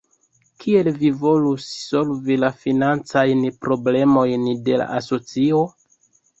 Kiel vi volus solvi la financajn problemojn de la asocio?